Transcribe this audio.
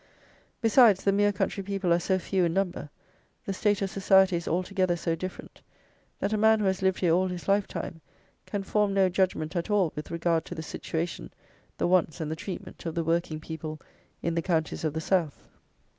Besides, the mere country people are so few in number, the state of society is altogether so different, that a man who has lived here all his life time, can form no judgment at all with regard to the situation, the wants, and the treatment of the working people in the counties of the South.